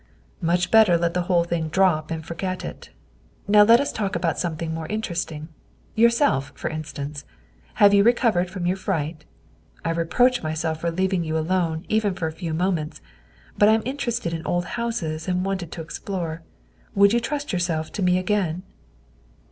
" Much better let the whole thing drop and forget it. Now let us talk about something more interesting yourself, for instance. Have you recovered from your fright? I reproach myself for leaving you alone even for a few moments, but I am interested in old houses and wanted to explore. Would you trust yourself to me again?"